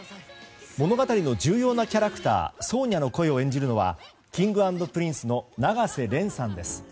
物語の重要なキャラクターソーニャの声を演じるのはＫｉｎｇ＆Ｐｒｉｎｃｅの永瀬廉さんです。